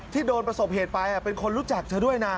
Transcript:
ที่โดนประสบเหตุไปเป็นคนรู้จักเธอด้วยนะ